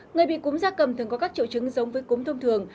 người bị cúm da cầm thường có các triệu chứng giống với cúm thông thường